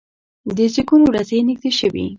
د زیږون ورځې یې نږدې شوې.